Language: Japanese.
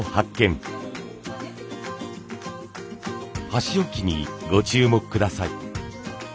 箸置きにご注目下さい。